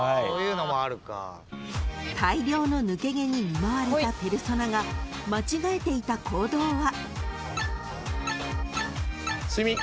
［大量の抜け毛に見舞われたペルソナが間違えていた行動は］